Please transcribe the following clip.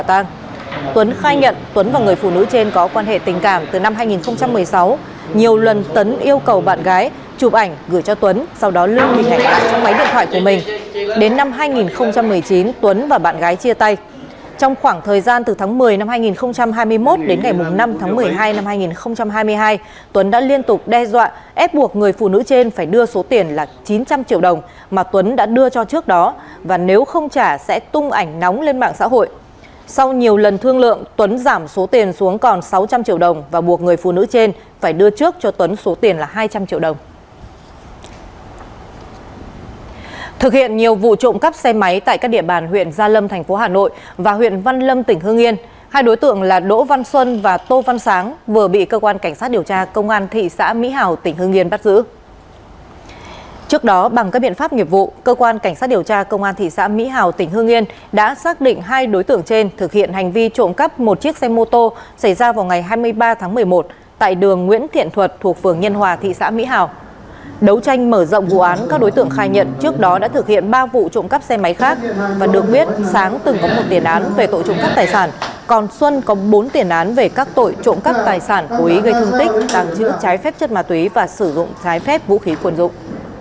đấu tranh mở rộng vụ án các đối tượng khai nhận trước đó đã thực hiện ba vụ trộm cắp xe máy khác và được biết sáng từng có một tiền án về tội trộm cắp tài sản còn xuân có bốn tiền án về các tội trộm cắp tài sản của ý gây thương tích tàng trữ trái phép chất ma túy và sử dụng trái phép vũ khí quân dụng